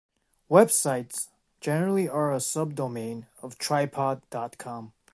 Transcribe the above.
Web sites generally are a subdomain of tripod dot com.